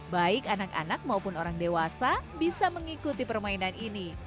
baik anak anak maupun orang dewasa bisa mengikuti permainan ini